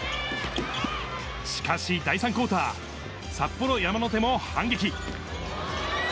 しかし、第３クオーター、札幌山の手も反撃。